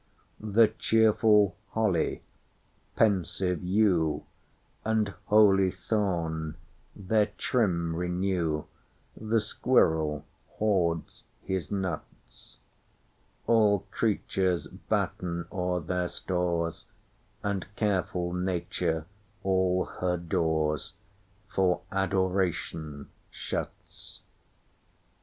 The cheerful holly, pensive yew, And holy thorn, their trim renew; The squirrel hoards his nuts; All creatures batten o'er their stores, And careful nature all her doorsFor Adoration shuts.